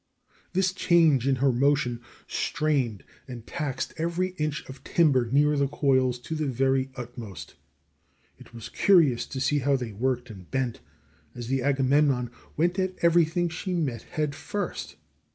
This change in her motion strained and taxed every inch of timber near the coils to the very utmost. It was curious to see how they worked and bent as the Agamemnon went at everything she met head first.